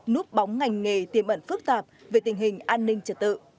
núp bóng ngành nghề tiềm ẩn phức tạp về tình hình an ninh trật tự